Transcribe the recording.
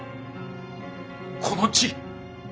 この地。